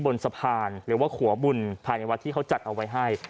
บนสะพานหรือว่าขัวบุญภายในวัดที่เขาจัดเอาไว้ให้